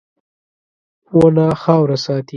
• ونه خاوره ساتي.